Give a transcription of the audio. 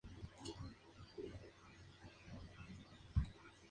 Se le conoció como el "Bellini mexicano".